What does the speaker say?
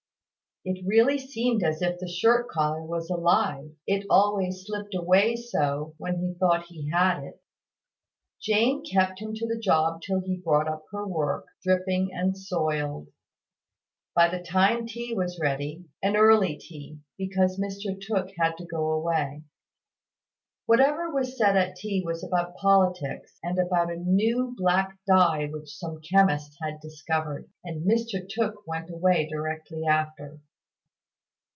It really seemed as if the shirt collar was alive, it always slipped away so when he thought he had it. Jane kept him to the job till he brought up her work, dripping and soiled. By that time tea was ready, an early tea, because Mr Tooke had to go away. Whatever was said at tea was about politics, and about a new black dye which some chemist had discovered; and Mr Tooke went away directly after.